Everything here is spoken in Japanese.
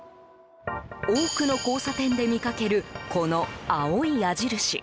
多くの交差点で見かけるこの青い矢印。